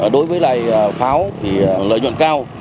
đối với lại pháo thì lợi nhuận cao